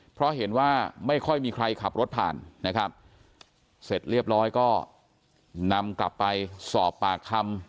เพราะเห็นว่าไม่ค่อยมีใครขับรถผ่านนะครับเสร็จเรียบร้อยก็นำกลับไปสอบปากคำ